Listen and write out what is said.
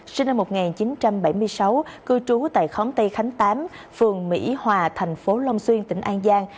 sinh năm một nghìn chín trăm bảy mươi sáu cư trú tại khóm tây khánh tám phường mỹ hòa thành phố long xuyên tỉnh an giang